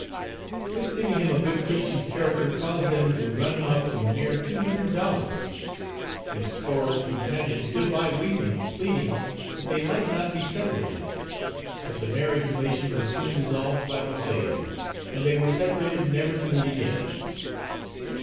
This giving him a good Christian character caused them to run him up to near two hundred dollars. His poor old companion stood by weeping and pleading that they might not be separated. But the marriage relation was soon dissolved by the sale, and they were separated never to meet again.